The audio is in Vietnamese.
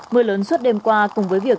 mưa lớn suốt đêm qua cùng với việc